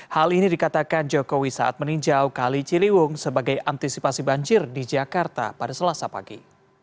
hal ini dikatakan jokowi saat meninjau kali ciliwung sebagai antisipasi banjir di jakarta pada selasa pagi